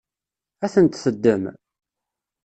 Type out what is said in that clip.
Ad tent-teddem?